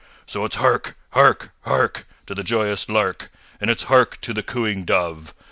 So it's hark! hark! hark! To the joyous lark And it's hark to the cooing dove!